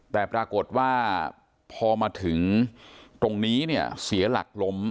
แต่ปรากฏว่าพอมาถึงตรงนี้เนี่ยเสียหลักล้ม